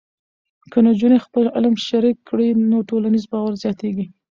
که نجونې خپل علم شریک کړي، نو ټولنیز باور زیاتېږي.